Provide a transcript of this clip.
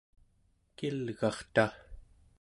Kilgarta